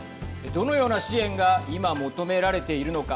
どのような支援が今、求められているのか。